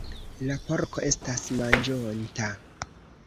La porko estas manĝonta.